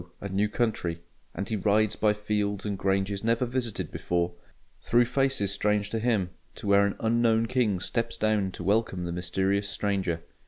a new country: and he rides by fields and granges never visited before, through faces strange to him, to where an unknown King steps down to welcome the mysterious stranger.